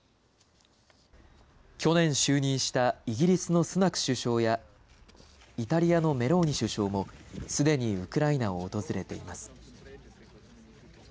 去年就任したイギリスのスナク首相や、イタリアのメローニ首相もすでにウクライナを訪れています。